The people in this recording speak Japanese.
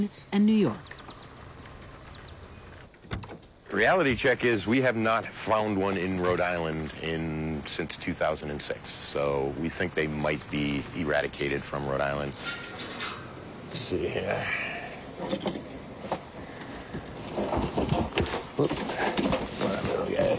よし。